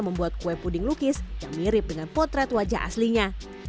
membuat kue puding lukis yang mirip dengan potret wajah aslinya